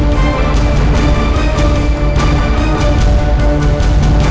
lihat apa aja papa itu